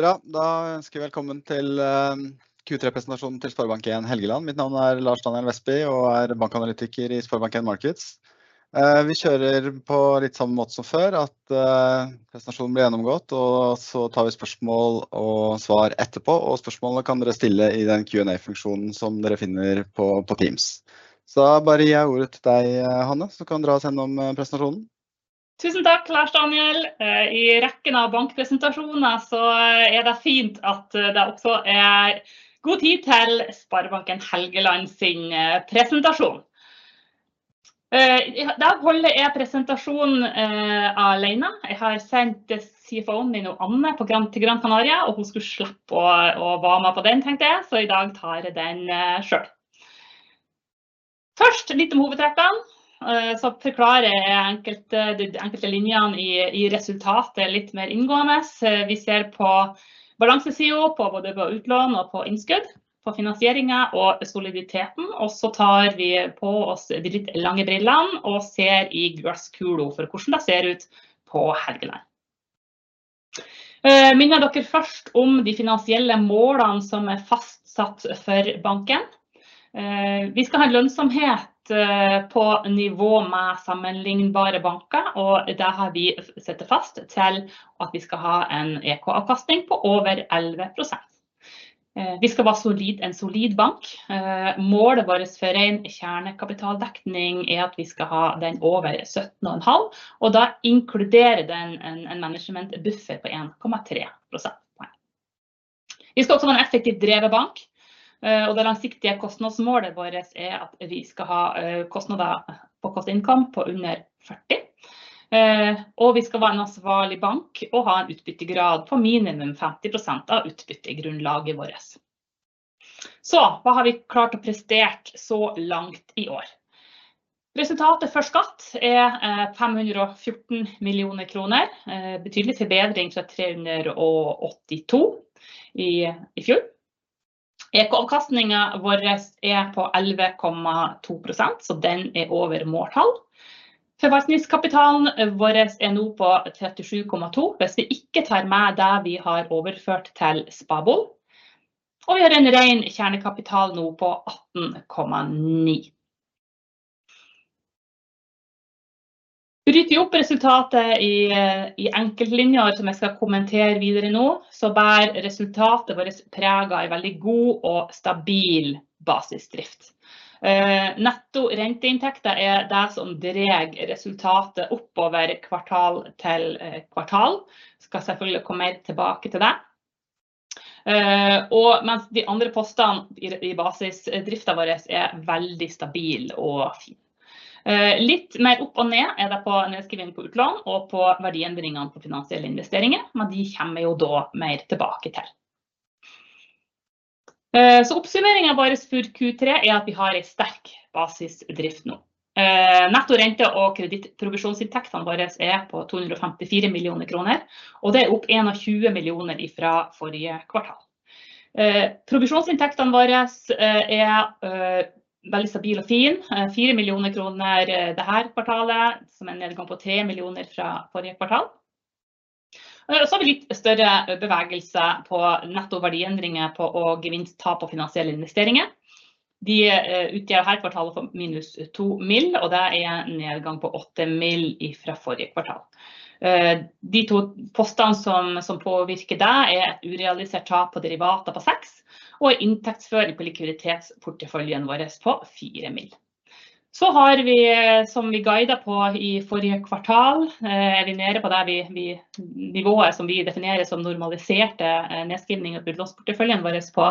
Bra! Da ønsker vi velkommen til Q3-presentasjonen til Sparebanken Helgeland. Mitt navn er Lars Daniel Westby og er bankanalytiker i Sparebanken Markets. Vi kjører på litt samme måte som før, at presentasjonen blir gjennomgått, og så tar vi spørsmål og svar etterpå. Spørsmålene kan dere stille i den Q&A-funksjonen som dere finner på Teams. Så da bare gir jeg ordet til deg, Hanne, så kan du dra oss gjennom presentasjonen. Tusen takk, Lars Daniel! I rekken av bankpresentasjoner så er det fint at det også er god tid til Sparebanken Helgeland sin presentasjon. I dag holder jeg presentasjonen alene. Jeg har sendt CFOen min og Anne på Gran til Gran Canaria, og hun skulle slippe å være med på den, tenkte jeg. Så i dag tar jeg den selv. Først litt om hovedtrekkene, så forklarer jeg de enkelte linjene i resultatet litt mer inngående. Vi ser på balansesiden, på både utlån og på innskudd, på finansieringen og soliditeten. Og så tar vi på oss de litt lange brillene og ser i glasskule for hvordan det ser ut på Helgeland. Minner dere først om de finansielle målene som er fastsatt for banken. Vi skal ha en lønnsomhet på nivå med sammenlignbare banker, og det har vi satt fast til at vi skal ha en egenkapitalavkastning på over 11%. Vi skal være solid, en solid bank. Målet vårt for ren kjernekapitaldekning er at vi skal ha den over 17,5%, og da inkluderer den en management buffer på 1,3%. Vi skal også være en effektivt drevet bank, og det langsiktige kostnadsmålet vårt er at vi skal ha kostnader på kostinntekt på under 40%. Vi skal være en ansvarlig bank og ha en utbyttegrad på minimum 50% av utbyttegrunnlaget vårt. Så hva har vi klart å prestere så langt i år? Resultatet før skatt er NOK 514 millioner. Betydelig forbedring fra NOK 382 millioner i fjor. EK avkastningen vår er på 11,2%, så den er over måltall. Forvaltningskapitalen vår er nå på 37,2 hvis vi ikke tar med det vi har overført til Spabo, og vi har en ren kjernekapital nå på 18,9. Bryter vi opp resultatet i enkeltlinjer som jeg skal kommentere videre nå, så bærer resultatet vårt preg av en veldig god og stabil basisdrift. Netto renteinntekter er det som drar resultatet oppover kvartal til kvartal. Skal selvfølgelig komme tilbake til det. Og mens de andre postene i basisdriften vår er veldig stabil og fin. Litt mer opp og ned er det på nedskrivning på utlån og på verdiendringene på finansielle investeringer. Men de kommer jeg jo da mer tilbake til. Oppsummeringen vår for Q3 er at vi har en sterk basisdrift nå. Netto rente og kreditt provisjonsinntektene våres er på kr 254 millioner, og det er opp kr 121 millioner fra forrige kvartal. Provisjonsinntektene våres er veldig stabil og fin. Kr 4 millioner dette kvartalet, som er en nedgang på kr 3 millioner fra forrige kvartal. Og så har vi litt større bevegelse på netto verdiendringer og gevinst/tap på finansielle investeringer. De utgjør her kvartalet for minus kr 2 millioner, og det er en nedgang på kr 8 millioner fra forrige kvartal. De to postene som påvirker det, er et urealisert tap på derivater på kr 6 millioner og inntektsføring på likviditetsporteføljen våres på kr 4 millioner. Har vi, som vi guidet på i forrige kvartal, er vi nede på det nivået som vi definerer som normaliserte nedskrivninger i utlånsporteføljen vår på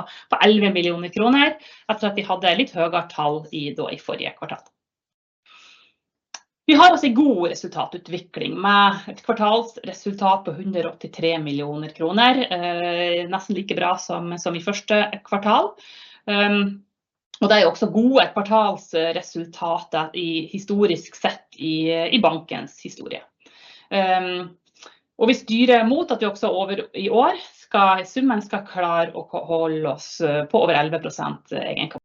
11 millioner kroner, etter at vi hadde litt høyere tall i forrige kvartal. Vi har altså god resultatutvikling med et kvartalsresultat på 183 millioner kroner. Nesten like bra som i første kvartal. Og det er også gode kvartalsresultater historisk sett i bankens historie. Og vi styrer mot at vi også i år skal i summen klare å holde oss på over 11%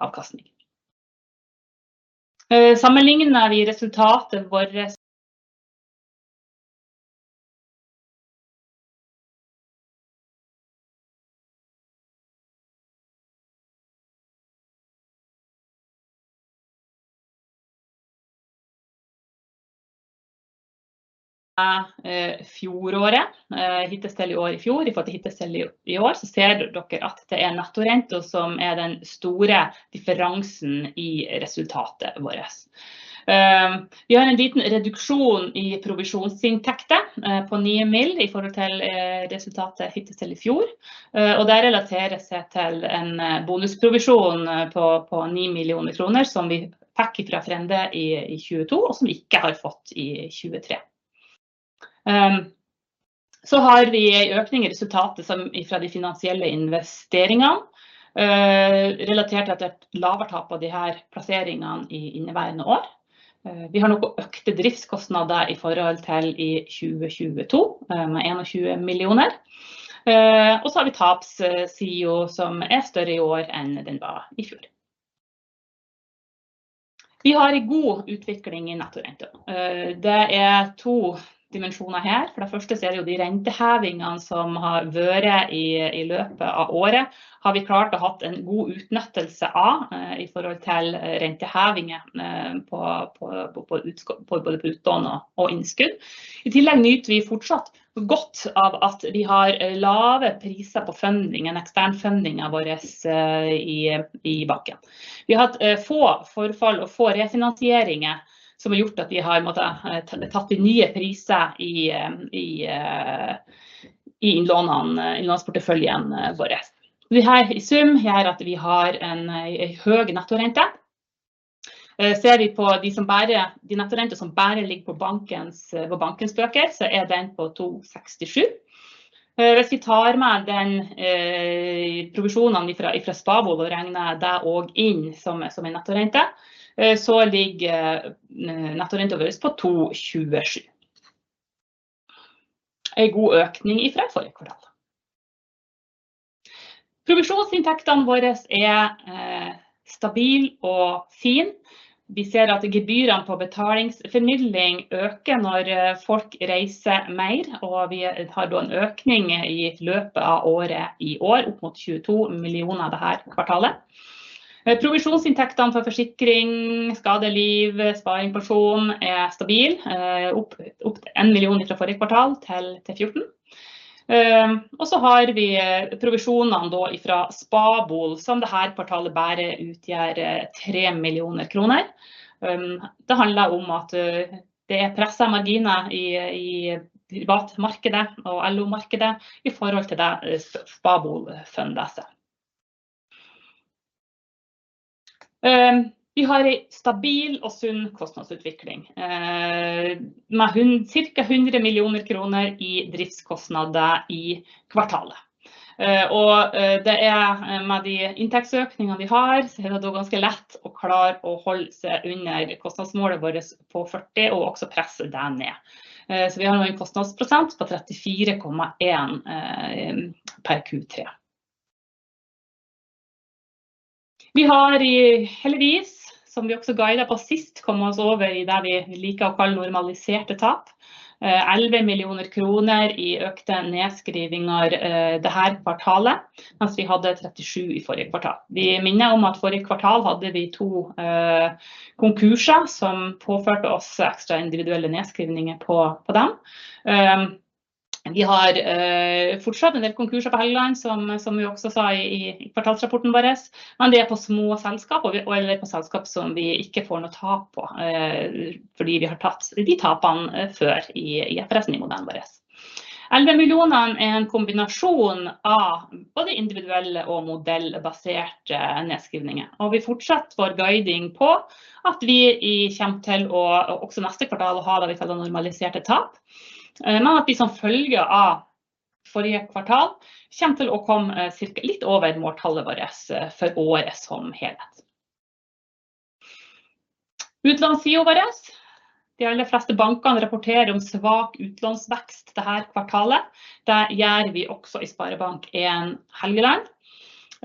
egenkapitalavkastning. Sammenligner vi resultatet vårt med fjoråret, hittil i år, i fjor i forhold til hittil i år, ser dere at det er netto rente som er den store differansen i resultatet vårt. Vi har en liten reduksjon i provisjonsinntekter på 9 millioner i forhold til resultatet hittil i fjor, og det relaterer seg til en bonusprovisjon på 9 millioner kroner som vi fikk fra Frende i 2022, og som vi ikke har fått i 2023. Så har vi økning i resultatet fra de finansielle investeringene, relatert til at det er et lavere tap på de her plasseringene i inneværende år. Vi har noe økte driftskostnader i forhold til i 2022, med 21 millioner. Så har vi tapssiden som er større i år enn den var i fjor. Vi har en god utvikling i nettorente. Det er to dimensjoner her. For det første så er det jo de rentehevingene som har vært i løpet av året har vi klart å hatt en god utnyttelse av i forhold til rentehevingene på både utlån og innskudd. I tillegg nyter vi fortsatt godt av at vi har lave priser på fundingen, ekstern funding av vores i banken. Vi har hatt få forfall og få refinansieringer som har gjort at vi har mått ta nye priser i innlånene, innlånsporteføljen våres. Vi har i sum gjør at vi har en høy nettorente. Ser vi på de som bare de nettorenten som bare ligger på bankens, på bankens bøker, så er den på 2,67. Hvis vi tar med den provisjonene fra SPAO, og regner det inn som en nettorente, så ligger nettorenten vores på 2,27. En god økning fra forrige kvartal. Provisjonsinntektene våres er stabil og fin. Vi ser at gebyrene på betalingsformidling øker når folk reiser mer, og vi har da en økning i løpet av året i år, opp mot 22 millioner det her kvartalet. Provisjonsinntektene for forsikring, skade, liv, sparing, pensjon er stabil. Opp, opp en million fra forrige kvartal til 14. Og så har vi provisjonene da fra SPABol, som det her kvartalet bare utgjør 3 millioner kroner. Det handler om at det er presset marginer i privatmarkedet og LO markedet i forhold til det SPABOL funderer seg. Vi har en stabil og sunn kostnadsutvikling med cirka 100 millioner kroner i driftskostnader i kvartalet. Det er med de inntektsøkningene vi har, så er det da ganske lett å klare å holde seg under kostnadsmålet vårt på 40%, og også presse det ned. Vi har en kostnadsprosent på 34,1% per Q3. Vi har heldigvis, som vi også guidet på sist, kommet oss over i det vi liker å kalle normaliserte tap. 11 millioner kroner i økte nedskrivninger dette kvartalet, mens vi hadde 37 i forrige kvartal. Vi minner om at forrige kvartal hadde vi to konkurser som påførte oss ekstra individuelle nedskrivninger på dem. Vi har fortsatt en del konkurser på Helgeland, som vi også sa i kvartalsrapporten vår. Men det er på små selskaper og eller på selskaper som vi ikke får noe tap på, fordi vi har tatt de tapene før i etterspørselen i modellen vår. 11 millionene er en kombinasjon av både individuelle og modellbaserte nedskrivninger, og vi fortsatt vår guiding på at vi kommer til å også neste kvartal å ha det vi kaller normaliserte tap, men at de som følge av forrige kvartal kommer til å komme cirka litt over måltallet vårt for året som helhet. Utlandssiden våres, de aller fleste bankene rapporterer om svak utlånsvekst det her kvartalet. Det gjør vi også i Sparebank 1 Helgeland.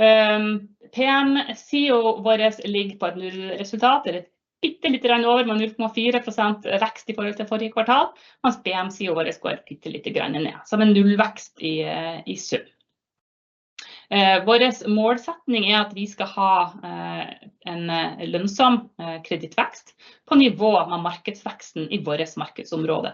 PM siden våres ligger på et nullresultat eller et bitte lite grann over med 0,4% vekst i forhold til forrige kvartal, mens PM siden våres går bitte lite granne ned. Så det er en nullvekst i sum. Våres målsetning er at vi skal ha en lønnsom kredittvekst på nivå med markedsveksten i vårt markedsområde,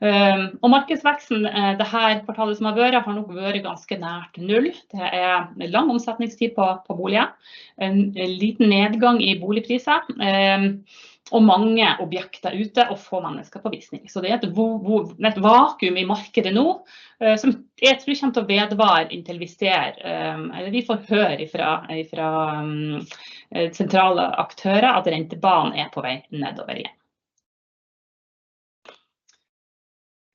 og markedsveksten det her kvartalet som har vært har nok vært ganske nært null. Det er lang omsetningstid på boliger. En liten nedgang i boligpriser, og mange objekter ute og få mennesker på visning. Så det er et vakuum i markedet nå som jeg tror kommer til å vedvare inntil vi ser, eller vi får høre fra sentrale aktører at rentebanen er på vei nedover igjen.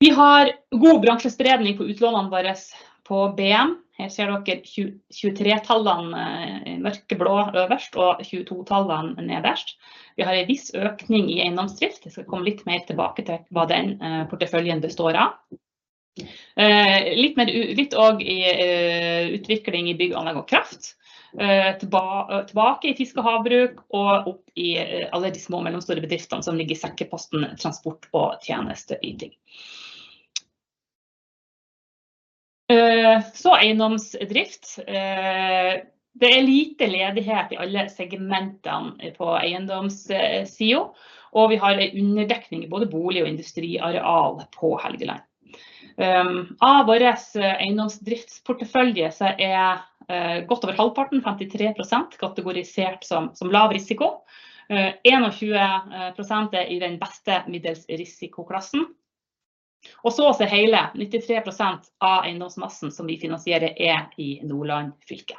Vi har god bransjefordeling på utlånene våres på BM. Her ser dere tjue tre tallene mørkeblå øverst og tjue to tallene nederst. Vi har en viss økning i eiendomsdrift. Det skal komme litt mer tilbake til hva den porteføljen består av. Litt mer og i utvikling i bygg, anlegg og kraft. Tilbake i fiske og havbruk og opp i alle de små og mellomstore bedriftene som ligger i sekkeposten transport og tjenesteyting. Så eiendomsdrift. Det er lite ledighet i alle segmentene på eiendomssiden, og vi har en underdekning i både bolig og industriareal på Helgeland. Av våres eiendomsdriftsportefølje så er godt over halvparten, 53%, kategorisert som lav risiko. 21% er i den beste middels risikoklassen, og så er hele 93% av eiendomsmassen som vi finansierer er i Nordland fylke.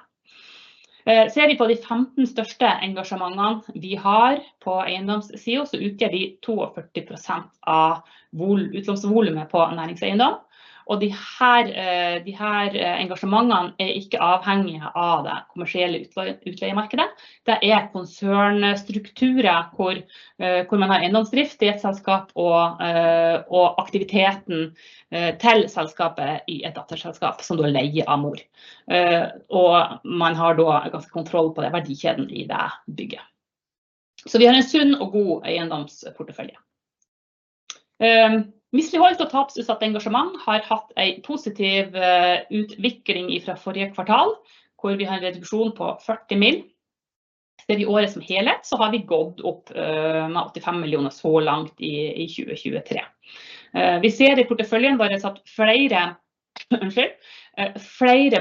Ser vi på de 15 største engasjementene vi har på eiendomssiden, så utgjør de 42% av utlånsvolumet på næringseiendom. Og de her engasjementene er ikke avhengige av det kommersielle utleiemarkedet. Det er konsernstrukturer hvor man har eiendomsdrift i et selskap og aktiviteten til selskapet i et datterselskap som du leier av mor. Og man har da ganske kontroll på den verdikjeden i det bygget. Så vi har en sunn og god eiendomsportefølje. Mislighold og tapsutsatte engasjement har hatt en positiv utvikling fra forrige kvartal, hvor vi har en reduksjon på 40 mill. Ser vi året som helhet, så har vi gått opp med 85 millioner så langt i 2023. Vi ser i porteføljen vår at flere,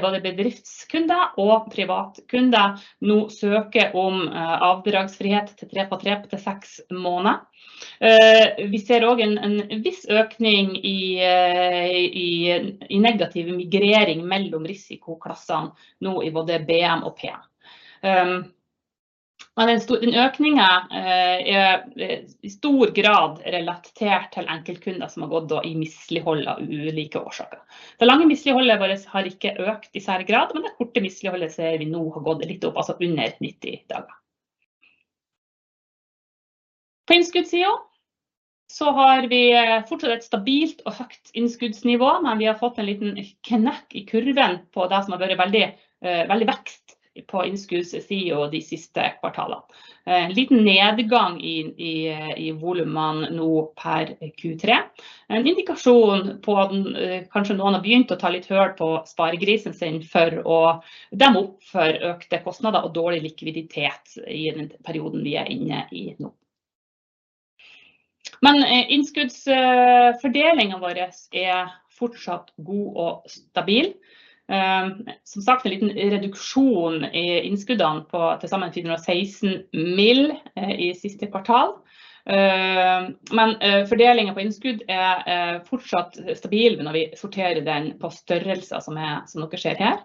både bedriftskunder og privatkunder nå søker om avdragsfrihet til tre på tre til seks måneder. Vi ser og en viss økning i negativ migrering mellom risikoklassene nå i både BM og PM. Men den økningen er i stor grad relatert til enkeltkunder som har gått i mislighold av ulike årsaker. Det lange misligholdet vårt har ikke økt i særlig grad, men det korte misligholdet ser vi nå har gått litt opp. Altså under 90 dager. På innskuddssiden så har vi fortsatt et stabilt og høyt innskuddsnivå, men vi har fått en liten knekk i kurven på det som har vært veldig, veldig vekst på innskuddssiden de siste kvartalene. En liten nedgang i volumene nå per Q3. En indikasjon på at kanskje noen har begynt å ta litt høl på sparegrisen sin for å demme opp for økte kostnader og dårlig likviditet i den perioden vi er inne i nå. Men innskuddsfordelingen vår er fortsatt god og stabil. Som sagt, en liten reduksjon i innskuddene på til sammen 116 millioner i siste kvartal. Men fordelingen på innskudd er fortsatt stabil når vi sorterer den på størrelser som dere ser her.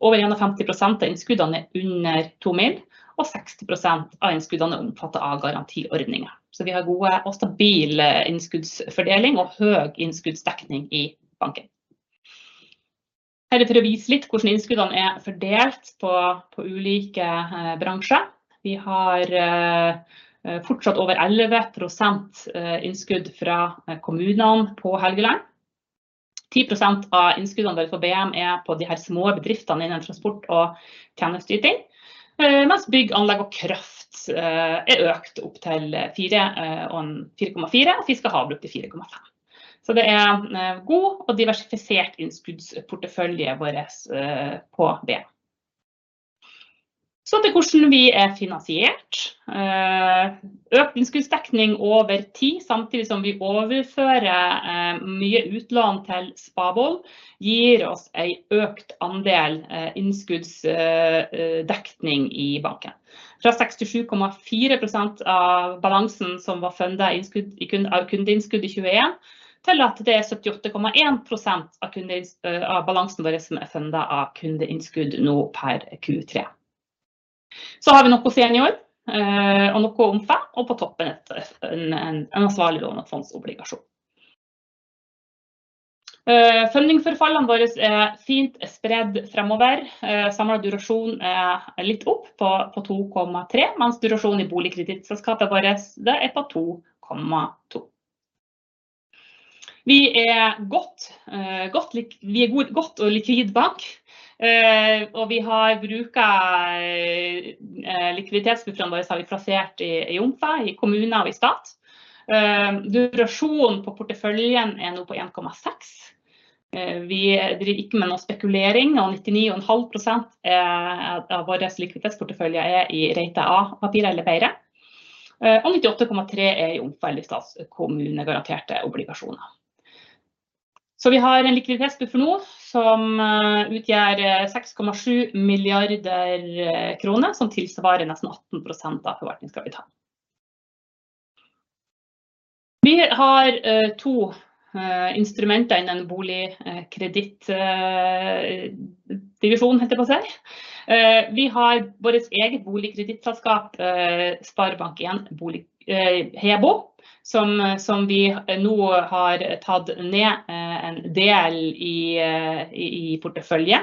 Over 51% av innskuddene er under 2 millioner, og 60% av innskuddene er omfattet av garantiordningen. Så vi har god og stabil innskuddsfordeling og høy innskuddsdekning i banken. Her er for å vise litt hvordan innskuddene er fordelt på ulike bransjer. Vi har fortsatt over 11% innskudd fra kommunene på Helgeland. 10% av innskuddene våre for BM er på de her små bedriftene innen transport og tjenesteyting, mens bygg, anlegg og kraft er økt opp til 4,4%, og fiske, havbruk til 4,5%. Det er god og diversifisert innskuddsportefølje våres på det. Til hvordan vi er finansiert. Økt innskuddsdekning over tid, samtidig som vi overfører mye utlån til Sparebolig, gir oss en økt andel innskuddsdekning i banken. Fra 67,4% av balansen som var fundet innskudd i kun av kundeinnskudd i tjueen, til at det er 77,1% av kundeinnskudd, av balansen vår, som er fundet av kundeinnskudd nå per Q3. Så har vi noe senior og noe jumbere, og på toppen en ansvarlig lånefondsobligasjon. Funding forfallene våre er fint spredd fremover. Samlet durasjon er litt opp på to komma tre, mens durasjon i boligkredittselskapet vårt, det er på to komma to. Vi er godt og likvid bank, og vi har brukt likviditetsbufferen vår, har vi plassert i jumbo, i kommuner og i stat. Durasjonen på porteføljen er nå på en komma seks. Vi driver ikke med noe spekulering, og 99,5% av vår likviditetsportefølje er i rating A papirer eller bedre, og 98,3% er i jomfrulige statskommunegaranterte obligasjoner. Så vi har en likviditetsbuffer nå som utgjør 6,7 milliarder kroner, som tilsvarer nesten 18% av forvaltningskapital. Vi har to instrumenter innen boligkredittdivisjon, heter det på ser. Vi har våres eget boligkredittselskap, Sparebank en bolig, Hebo, som vi nå har tatt ned en del i portefølje,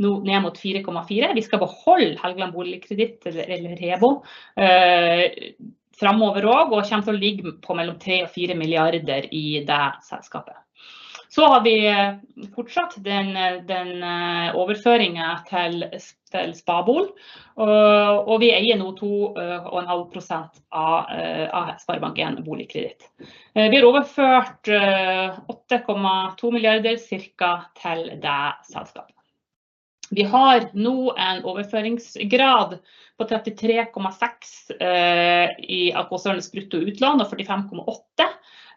nå ned mot 4,4. Vi skal beholde Helgeland boligkreditt eller Hebo fremover og kommer til å ligge på mellom 3 og 4 milliarder i det selskapet. Så har vi fortsatt den overføringen til Spareboligen, og vi eier nå 2,5% av Sparebank en boligkreditt. Vi har overført 8,2 milliarder cirka til det selskapet. Vi har nå en overføringsgrad på 33,6% av konsernets brutto utlån, og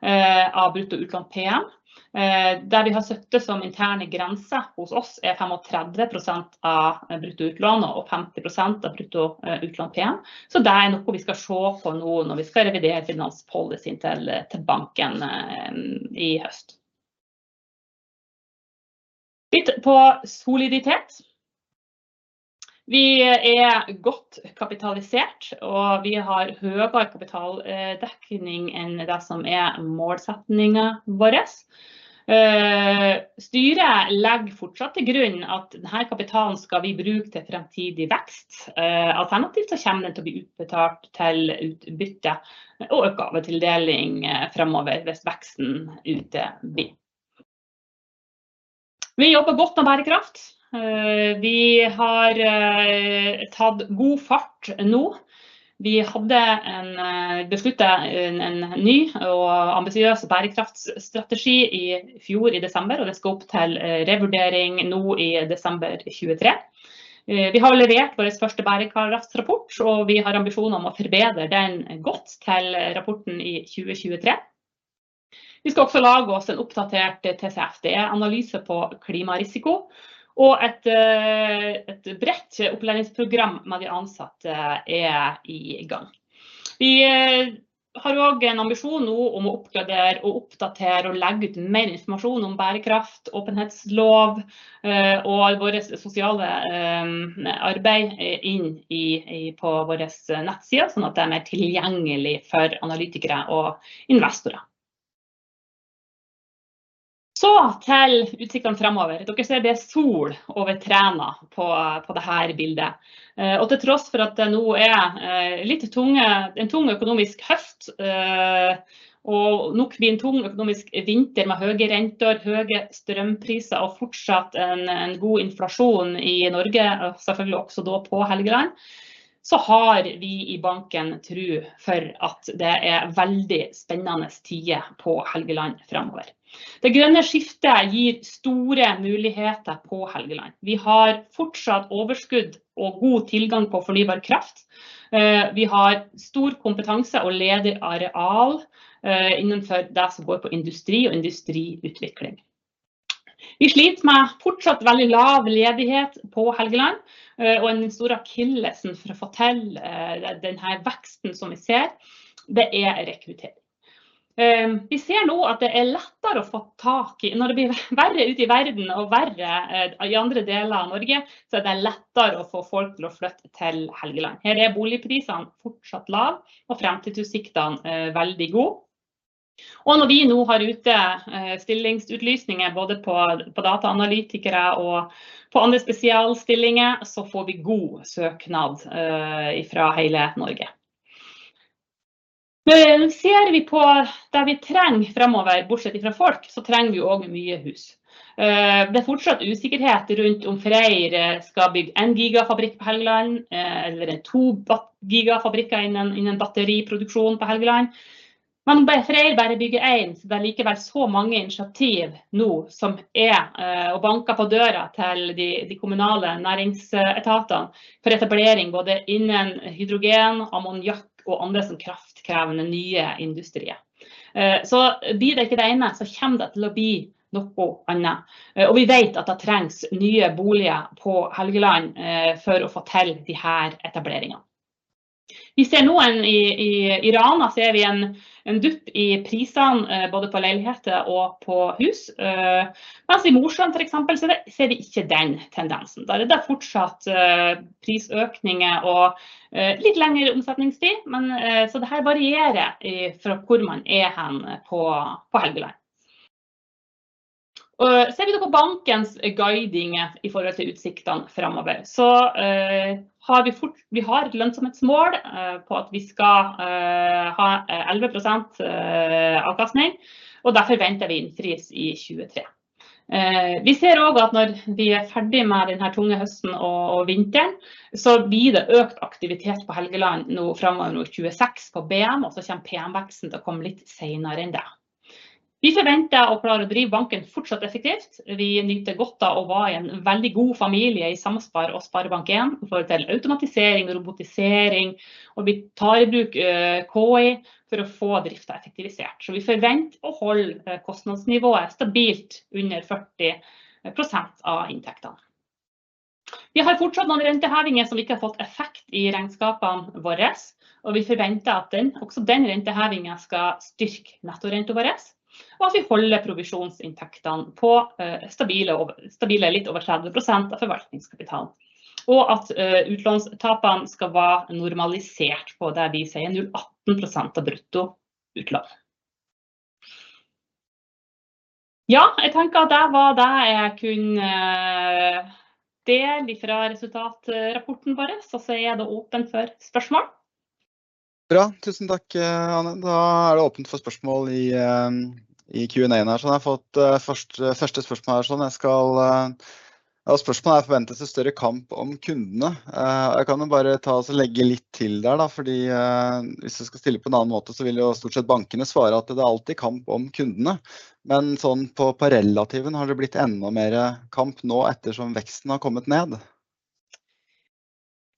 45,8% av brutto utlån PM. Der vi har sett det som interne grenser hos oss, er 35% av brutto utlån og 50% av brutto utlån PM. Så det er noe vi skal se på nå når vi skal revidere finanspolicyen til banken i høst. Litt på soliditet. Vi er godt kapitalisert, og vi har høyere kapitaldekning enn det som er målsetningen vår. Styret legger fortsatt til grunn at denne kapitalen skal vi bruke til fremtidig vekst. Alternativt så kommer det til å bli utbetalt til utbytte og økt utdeling fremover hvis veksten uteblir. Vi jobber godt med bærekraft. Vi har tatt god fart nå. Vi hadde besluttet en ny og ambisiøs bærekraftsstrategi i fjor i desember, og det skal opp til revurdering nå i desember 2023. Vi har levert vår første bærekraftsrapport, og vi har ambisjoner om å forbedre den godt til rapporten i 2023. Vi skal også lage oss en oppdatert TCFD-analyse på klimarisiko, og et bredt opplæringsprogram med de ansatte er i gang. Vi har også en ambisjon nå om å oppgradere og oppdatere og legge ut mer informasjon om bærekraft, åpenhetslov og våres sosiale arbeid inn på våres nettsider, sånn at det er mer tilgjengelig for analytikere og investorer. Så til utsiktene fremover. Dere ser det er sol over trærne på det her bildet. Til tross for at det nå er litt tunge, en tung økonomisk høst, og nok blir en tung økonomisk vinter med høge renter, høge strømpriser og fortsatt en god inflasjon i Norge, og selvfølgelig også da på Helgeland, så har vi i banken tro for at det er veldig spennende tider på Helgeland fremover. Det grønne skiftet gir store muligheter på Helgeland. Vi har fortsatt overskudd og god tilgang på fornybar kraft. Vi har stor kompetanse og ledig areal innenfor det som går på industri og industriutvikling. Vi sliter med fortsatt veldig lav ledighet på Helgeland, og den store akilleshælen for å få til den her veksten som vi ser, det er rekruttering. Vi ser nå at det er lettere å få tak i når det blir verre ute i verden og verre i andre deler av Norge, så er det lettere å få folk til å flytte til Helgeland. Her er boligprisene fortsatt lav og fremtidsutsiktene veldig god. Når vi nå har ute stillingsutlysninger både på dataanalytikere og på andre spesialstillinger, så får vi god søknad i fra hele Norge. Ser vi på det vi trenger fremover, bortsett fra folk, så trenger vi jo også mye hus. Det er fortsatt usikkerhet rundt om Freyr skal bygge en gigafabrikk på Helgeland eller to gigafabrikker innen batteriproduksjon på Helgeland. Men om Freyr bare bygger en, så er det likevel så mange initiativ nå som banker på døra til de kommunale næringsetatene for etablering, både innen hydrogen, ammoniakk og andre kraftkrevende nye industrier. Blir det ikke det ene, så kommer det til å bli noe annet. Vi vet at det trengs nye boliger på Helgeland for å få til de her etableringene. Vi ser nå i Rana en dupp i prisene både på leiligheter og på hus. Mens i Mosjøen, for eksempel, så ser vi ikke den tendensen. Der er det fortsatt prisøkninger og litt lengre omsetningstid. Dette varierer fra hvor man er hen på Helgeland. Og ser vi på bankens guiding i forhold til utsiktene fremover, så har vi et lønnsomhetsmål på at vi skal ha 11% avkastning, og derfor venter vi innfris i 2023. Vi ser også at når vi er ferdig med den her tunge høsten og vinteren, så blir det økt aktivitet på Helgeland nå fremover nå i 2026 på BM, og så kommer PM veksten til å komme litt senere enn det. Vi forventer å klare å drive banken fortsatt effektivt. Vi nyter godt av å være i en veldig god familie, i Samspar og Sparebank 1, i forhold til automatisering og robotisering. Og vi tar i bruk KI for å få driften effektivisert. Så vi forventer å holde kostnadsnivået stabilt under 40% av inntektene. Vi har fortsatt noen rentehevinger som ikke har fått effekt i regnskapene våre, og vi forventer at den, også den rentehevingen skal styrke nettorenten vår, og at vi holder provisjonsinntektene på stabile og stabile litt over 30% av forvaltningskapitalen, og at utlånstapene skal være normalisert på det vi ser nå, 18% av brutto utlån. Ja, jeg tenker at det var det jeg kunne dele fra resultatrapporten vår, og så er det åpent for spørsmål. Bra. Tusen takk, Anne! Da er det åpent for spørsmål i Q and A her, så har jeg fått første spørsmålet. Ja, spørsmålet er forventes en større kamp om kundene? Jeg kan jo bare ta og legge litt til der da, fordi hvis jeg skal stille på en annen måte, så vil jo stort sett bankene svare at det er alltid kamp om kundene. Men sånn på relativen har det blitt enda mer kamp nå etter som veksten har kommet ned.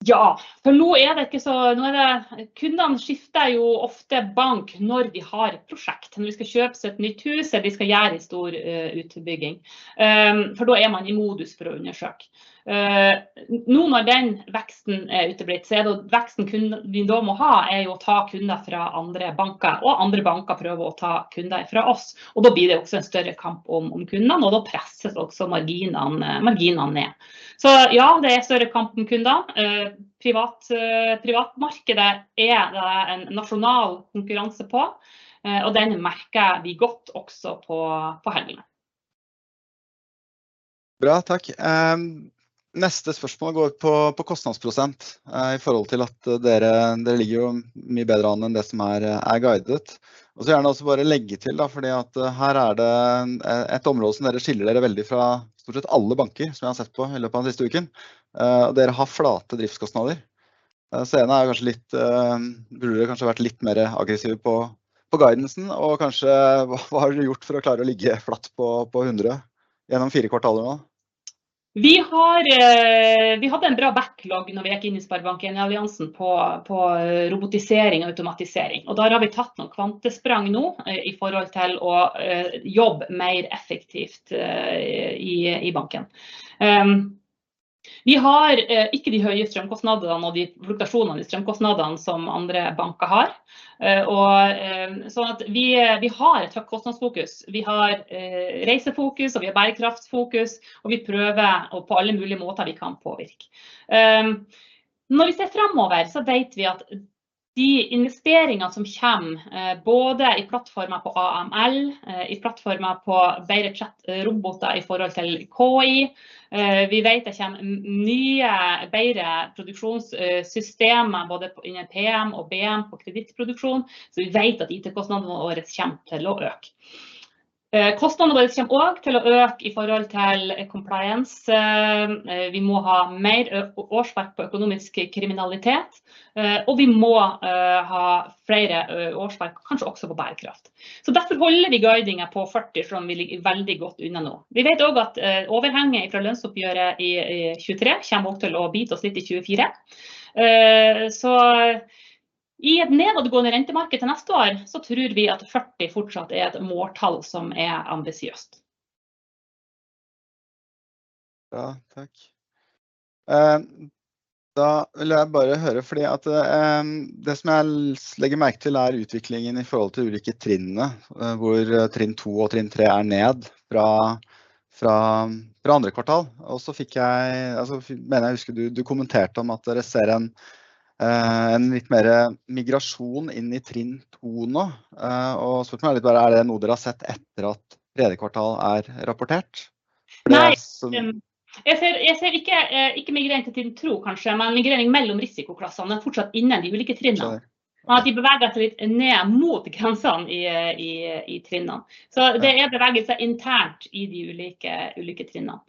Ja, for nå er det ikke så, nå er det kundene skifter jo ofte bank når de har prosjekt, når de skal kjøpe seg et nytt hus, eller de skal gjøre en stor utbygging. For da er man i modus for å undersøke. Nå når den veksten er utelatt, så er det veksten kun vi da må ha er jo å ta kunder fra andre banker, og andre banker prøver å ta kunder fra oss, og da blir det også en større kamp om kundene, og da presses også marginene ned. Så ja, det er større kamp om kundene. Privat, privatmarkedet er det en nasjonal konkurranse på, og den merker vi godt også på Helgeland. Bra, takk! Neste spørsmål går på kostnadsprosent i forhold til at dere ligger jo mye bedre an enn det som er guidet. Og så gjerne også bare legge til da, fordi at her er det et område som dere skiller dere veldig fra stort sett alle banker som jeg har sett på i løpet av den siste uken. Dere har flate driftskostnader. Så en er kanskje litt, burde kanskje vært litt mer aggressive på guidensen. Og kanskje, hva har dere gjort for å klare å ligge flatt på hundre gjennom fire kvartaler nå? Vi har. Vi hadde en bra backlog når vi gikk inn i Sparebanken Alliansen på robotisering og automatisering. Og der har vi tatt noen kvantesprang nå i forhold til å jobbe mer effektivt i banken. Vi har ikke de høye strømkostnadene og de fluktuasjonene i strømkostnadene som andre banker har. Så vi har et kostnadsfokus. Vi har reisefokus, og vi har bærekraftsfokus. Og vi prøver å på alle mulige måter vi kan påvirke. Når vi ser fremover så vet vi at de investeringene som kommer både i plattformer på AML, i plattformer på bedre chat roboter i forhold til KI. Vi vet det kommer nye, bedre produksjonssystemer både innen PM og BM på aktivitetsproduksjon. Så vi vet at IT kostnadene våre kommer til å øke. Kostnadene våre kommer også til å øke i forhold til compliance. Vi må ha mer årsverk på økonomisk kriminalitet, og vi må ha flere årsverk, kanskje også på bærekraft. Derfor holder vi guidingen på førti selv om vi ligger veldig godt unna nå. Vi vet også at overhenget fra lønnsoppgjøret i tjue tre kommer også til å bite oss litt i tjue fire. I et nedadgående rentemarkedet neste år, tror vi at førti fortsatt er et måltall som er ambisiøst. Ja, takk. Da vil jeg bare høre fordi at det som jeg legger merke til er utviklingen i forhold til de ulike trinnene. Hvor trinn to og trinn tre er ned fra andre kvartal. Og så fikk jeg, altså mener jeg husker du kommenterte om at dere ser en litt mer migrasjon inn i trinn to nå. Og spørsmålet er litt bare er det noe dere har sett etter at tredje kvartal er rapportert? Nei, jeg ser, jeg ser ikke, ikke migrert til trinn to kanskje, men en migrering mellom risikoklassene fortsatt innen de ulike trinnene. Klart. At de beveger seg litt ned mot grensene i trinnene. Det er bevegelse internt i de ulike trinnene.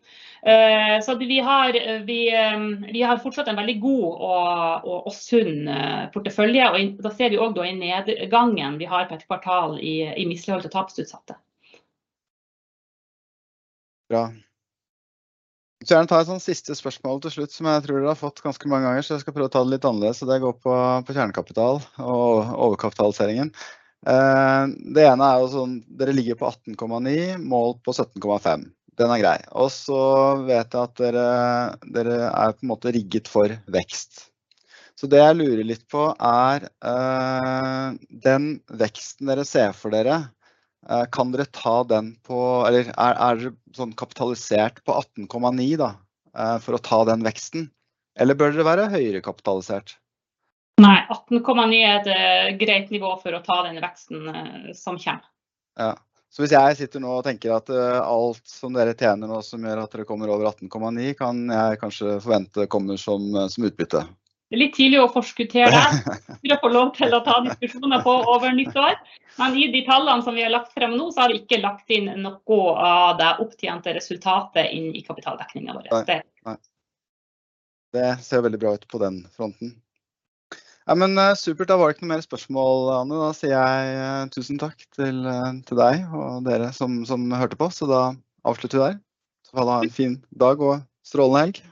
Vi har fortsatt en veldig god og sunn portefølje. Da ser vi også i nedgangen vi har på et kvartal i mislighold og tapsutsatte. Bra! Så gjerne ta et sånn siste spørsmål til slutt, som jeg tror du har fått ganske mange ganger, så jeg skal prøve å ta det litt annerledes. Og det går på kjernekapital og overkapitaliseringen. Det ene er jo sånn, dere ligger på 18,9%, målt på 17,5%. Den er grei. Og så vet jeg at dere er på en måte rigget for vekst. Så det jeg lurer litt på er den veksten dere ser for dere. Kan dere ta den på eller er dere sånn kapitalisert på 18,9% da for å ta den veksten? Eller bør dere være høyere kapitalisert? Nei, 1.89 er et greit nivå for å ta den veksten som kommer. Ja. Så hvis jeg sitter nå og tenker at alt som dere tjener nå som gjør at dere kommer over 18,9, kan jeg kanskje forvente kommer som utbytte. Det er litt tidlig å forskuttere det. Vi får lov til å ta diskusjoner på over nyttår. Men i de tallene som vi har lagt frem nå, så har vi ikke lagt inn noe av det opptjente resultatet inn i kapitaldekningen vår. Nei. Det ser veldig bra ut på den fronten. Men supert! Da var det ikke mer spørsmål da. Da sier jeg tusen takk til deg og dere som hørte på. Så da avslutter vi der. Så ha en fin dag og strålende helg.